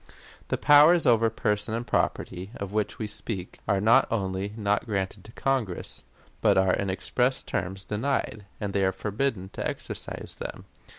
"The powers over person and property, of which we speak, are not only not granted to Congress, but are in express terms denied, and they are forbidden to exercise them.